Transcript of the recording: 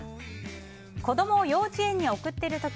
子供を幼稚園に送っている時